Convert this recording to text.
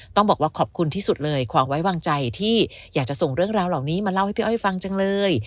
ต้องบอกว่าขอบคุณที่สุดเลยความไว้วางใจที่อยากจะส่งเรื่องราวเหล่านี้มาเล่าให้พี่อ้อยฟังจังเลย